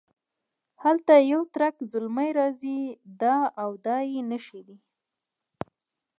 هلته یو ترک زلمی راځي دا او دا یې نښې دي.